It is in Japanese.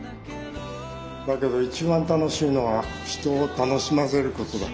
だけど一番楽しいのは人を楽しませることだ。